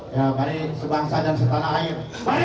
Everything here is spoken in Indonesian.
ya karir sebangsa dan setanah air